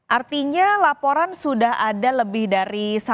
artinya laporan sudah ada lebih dari